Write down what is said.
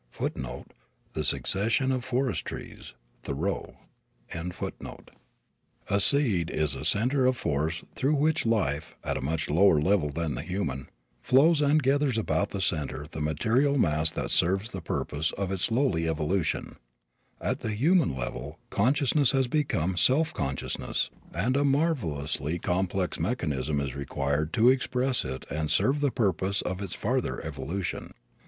"[E] A seed is a center of force through which life, at a much lower level than the human, flows and gathers about that center the material mass that serves the purpose of its lowly evolution. At the human level consciousness has become self consciousness and a marvelously complex mechanism is required to express it and serve the purpose of its farther evolution.